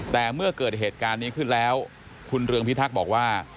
แต่เมื่อเกิดเหตุการณ์นี้ขึ้นแล้วคุณเรืองพิทักษ์บอกว่า